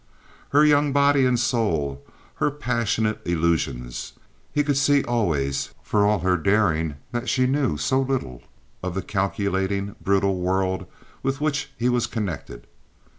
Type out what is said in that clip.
Her young body and soul, her passionate illusions. He could see always, for all her daring, that she knew so little of the calculating, brutal world with which he was connected.